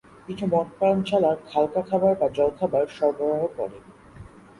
কিছু মদ পানশালা হালকা খাবার বা জল খাবার সরবরাহ করে।